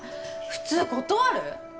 普通断る？